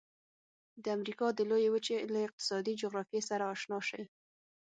د امریکا د لویې وچې له اقتصادي جغرافیې سره آشنا شئ.